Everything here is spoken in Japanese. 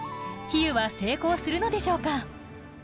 比喩は成功するのでしょうか？